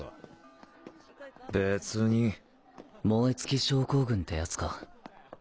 輝）燃え尽き症候群ってやつか。